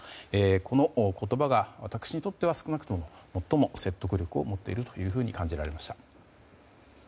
この言葉が私にとっては少なくとも最も説得力を持っていると感じられました。